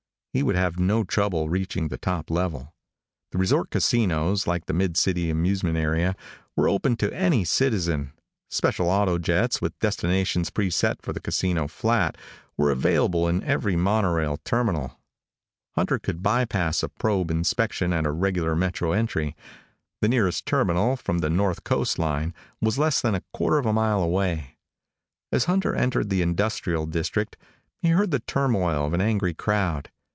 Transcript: He would have no trouble reaching the top level. The resort casinos, like the mid city amusement area, were open to any citizen. Special autojets, with destinations pre set for the casino flat, were available in every monorail terminal. Hunter could by pass a probe inspection at a regular metro entry. The nearest terminal, from the north coast line, was less than a quarter of a mile away. As Hunter entered the industrial district he heard the turmoil of an angry crowd.